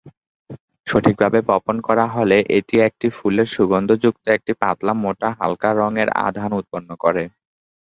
সঠিকভাবে বপন করা হলে, এটি একটি ফুলের সুগন্ধযুক্ত একটি পাতলা-মোটা, হালকা রঙের আধান উৎপন্ন করে।